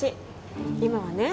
今はね